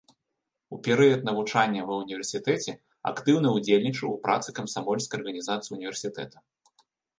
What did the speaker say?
У перыяд навучання ва ўніверсітэце актыўна ўдзельнічаў у працы камсамольскай арганізацыі ўніверсітэта.